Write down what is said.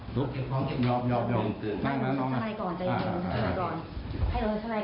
เจ้าเรียกทำไมล่ะ